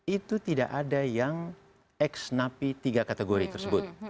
itu tidak ada yang ex napi tiga kategori tersebut